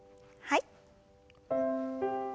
はい。